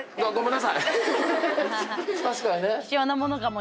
確かにね。